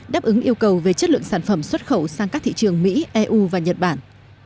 đáp ứng yêu cầu về chất lượng sản phẩm xuất khẩu sang các thị trường mỹ eu và nhật bản